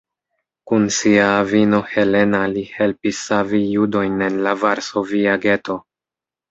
Kun sia avino Helena li helpis savi judojn el la Varsovia geto.